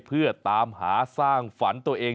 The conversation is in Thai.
เพื่อตามหาสร้างฝันตัวเอง